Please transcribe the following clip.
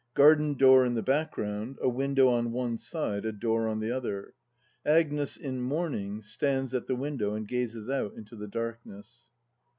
Garden door in the background; a window on one side, a door on the other. Agnes, in mourning, stands at the window and gazes out into the darkness.